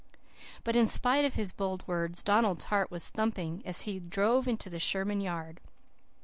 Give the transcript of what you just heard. "But in spite of his bold words Donald's heart was thumping as he drove into the Sherman yard.